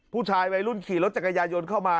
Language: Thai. ผู้ชายวัยรุ่นขี่รถจักรยายนต์เข้ามา